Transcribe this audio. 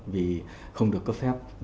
vì không được cấp phép